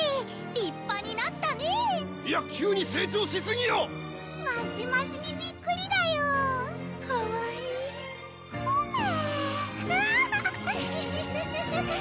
立派になったねいや急に成長しすぎよマシマシにびっくりだよかわいいコメ